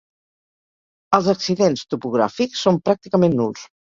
Els accidents topogràfics són pràcticament nuls.